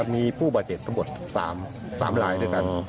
มีผู้บาทเจ็บสมุด๓ลายด้วยกัน